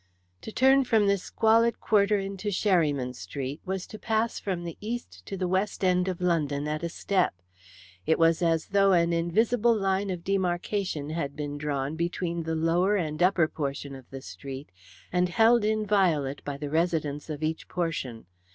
To turn from this squalid quarter into Sherryman Street was to pass from the east to the west end of London at a step. It was as though an invisible line of demarcation had been drawn between the lower and upper portion of the street, and held inviolate by the residents of each portion.